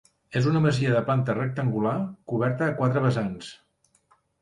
És una masia de planta rectangular coberta a quatre vessants.